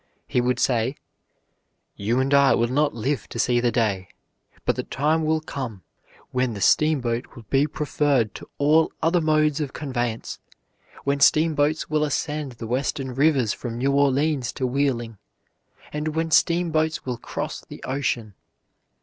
He would say: "You and I will not live to see the day, but the time will come when the steamboat will be preferred to all other modes of conveyance, when steamboats will ascend the Western rivers from New Orleans to Wheeling, and when steamboats will cross the ocean.